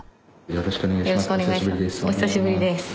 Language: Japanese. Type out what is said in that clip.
よろしくお願いします。